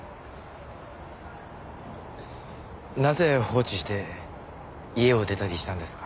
なぜ放置して家を出たりしたんですか？